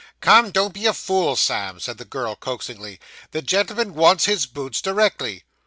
'Come, don't be a fool, Sam,' said the girl coaxingly, 'the gentleman wants his boots directly.